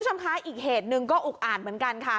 คุณผู้ชมคะอีกเหตุหนึ่งก็อุกอ่านเหมือนกันค่ะ